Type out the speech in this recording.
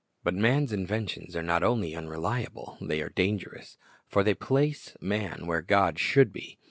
But man's inventions are not only unreliable, they are dangerous; for they place man where God should be.